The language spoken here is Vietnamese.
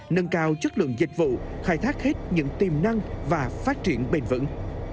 nâng cao chất lượng dịch vụ khai thác hết những tiềm năng và phát triển bền vững